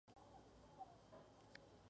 Se ubica al este de la isla de Saaremaa.